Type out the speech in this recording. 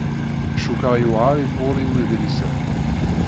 Cukkeɣ yewɛeṛ i tɣuṛi wedlis-a.